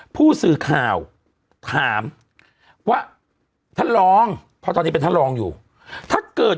ผู้สื่อข่าวถามว่าท่านรองเพราะตอนนี้เป็นท่านรองอยู่ถ้าเกิด